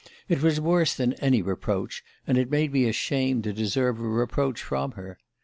It was worse than any reproach, and it made me ashamed to deserve a reproach from her.